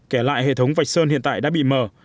kể lại hệ thống vạch sơn hiện tại đã bị mờ